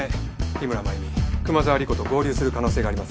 日村繭美熊沢理子と合流する可能性があります。